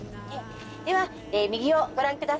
では右をご覧ください。